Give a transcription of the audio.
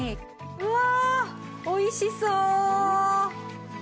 うわおいしそう！